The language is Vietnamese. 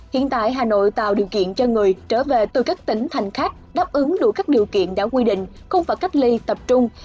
hiện tại hà nội tạo điều kiện cho người trở về từ các tỉnh thành khác đáp ứng đủ các điều kiện đã quy định không phải cách ly tập trung